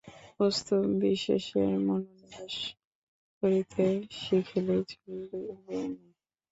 বস্তুবিশেষে মনোনিবেশ করিতে শিখিলেই চলিবে না।